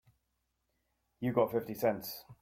You got fifty cents?